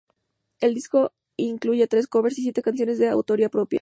El disco incluye tres covers y siete canciones de autoría propia.